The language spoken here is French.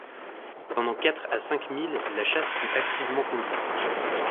Pendant quatre à cinq milles, la chasse fut activement conduite.